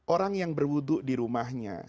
orang yang berwudhu di rumahnya